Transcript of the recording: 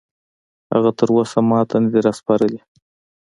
هغه تراوسه ماته نه دي راسپارلي